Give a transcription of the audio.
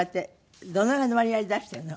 どのぐらいの割合で出しているの？